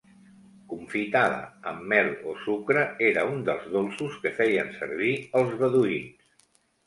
Confitada amb mel o sucre era un dels dolços que feien servir els beduïns.